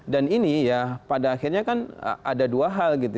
dan ini ya pada akhirnya kan ada dua hal